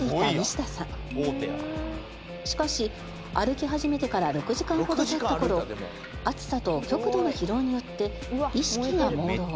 「大手や」しかし歩き始めてから６時間ほど経った頃暑さと極度の疲労によって意識が朦朧。